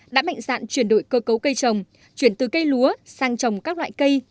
đã mạnh dạn chuyển đổi cơ cấu cây trồng chuyển từ cây lúa sang trồng các loại cây